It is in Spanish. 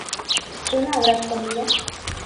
tú no habrás comido